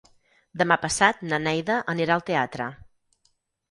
Demà passat na Neida anirà al teatre.